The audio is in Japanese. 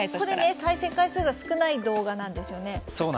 再生回数が少ない動画なんですよね。